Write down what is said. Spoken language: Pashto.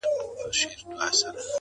د عذاب علت یې کش کړ په مشوکي،